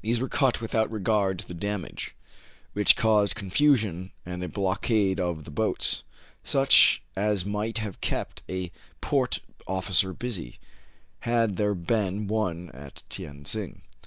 These were cut without regard to the damage, which caused confusion and a blockade of the boats, such as might have kept a port officer busy, had there been one at Tien Sing.